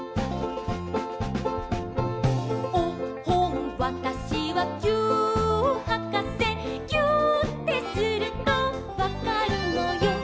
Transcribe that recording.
「おっほんわたしはぎゅーっはかせ」「ぎゅーってするとわかるのよ」